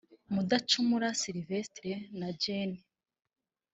Mudacumura Slyvestre na Gen